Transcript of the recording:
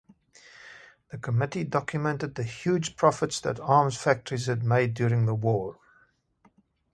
The committee documented the huge profits that arms factories had made during the war.